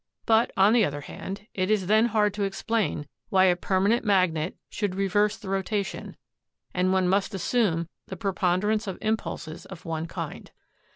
But, on the other hand, it is then hard to explain why a permanent magnet should reverse the rotation, and one must assume the prepon derance of impulses of one kind.